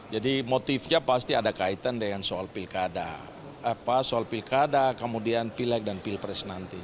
jadi motifnya pasti ada kaitan dengan soal pilkada soal pilkada kemudian pilak dan pilpres nanti